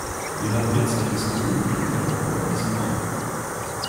Wir haben jetzt die Diskussion über den Wiederaufbau in diesem Raum.